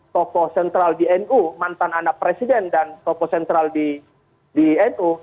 tokoh sentral di nu mantan anak presiden dan tokoh sentral di nu